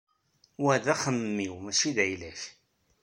Wa d axemmem-iw mačči d ayla-k.